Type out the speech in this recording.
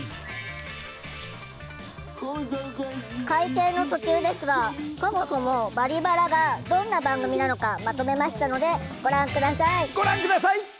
会見の途中ですがそもそも「バリバラ」がどんな番組なのかまとめましたのでご覧下さい。